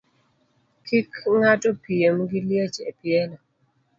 Kik ng'ato piem gi liech e pielo.